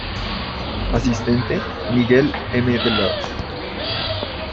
Asistente: Miguel M. Delgado.